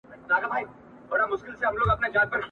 نه له شیخه څوک ډاریږي نه غړومبی د محتسب وي ..